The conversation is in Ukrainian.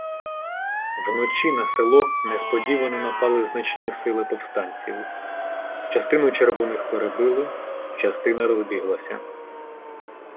Вночі на село несподівано напали значні сили повстанців — частину червоних перебили, частина розбіглася.